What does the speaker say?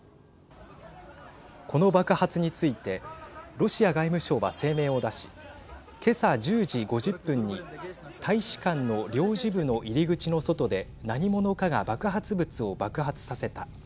この爆発についてロシア外務省は声明を出し今朝１０時５０分に大使館の領事部の入り口の外で何者かが爆発物を爆発させた。